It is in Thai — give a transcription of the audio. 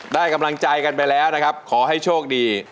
ได้กำลังใจกันไปแล้วนะครับขอให้โชคดี